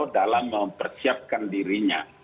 dalam mempersiapkan dirinya